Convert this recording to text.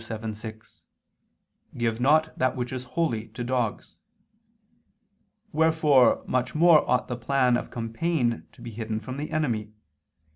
7:6: "Give not that which is holy, to dogs." Wherefore much more ought the plan of campaign to be hidden from the enemy.